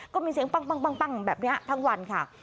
ก็มีเสียงปั้งแบบนี้ทั้งวันค่ะ